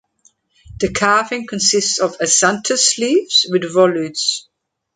The carving consists of acanthus leaves with volutes.